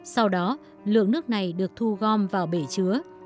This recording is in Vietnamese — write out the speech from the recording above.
sau đó lượng nước này được thu gom vào bể chứa